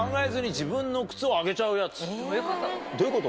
どういうこと？